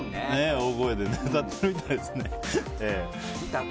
大声で歌ってるみたいですね。